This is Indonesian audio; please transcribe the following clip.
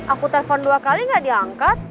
aku telpon dua kali gak diangkat